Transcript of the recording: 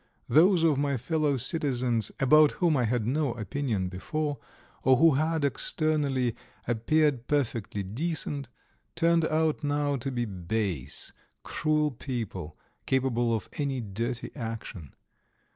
Those of my fellow citizens, about whom I had no opinion before, or who had externally appeared perfectly decent, turned out now to be base, cruel people, capable of any dirty action.